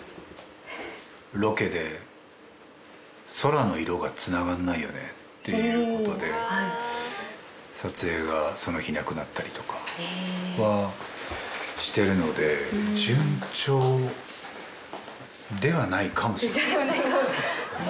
「ロケで空の色がつながんないよねっていうことで撮影がその日なくなったりとかはしてるので順調ではないかもしれない」